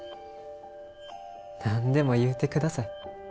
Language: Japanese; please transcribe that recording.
何でも言うて下さい。